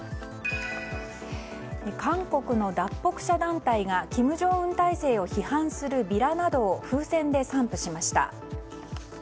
韓国の脱北者団体が金正恩体制を批判するビラなどを風船で散布しました。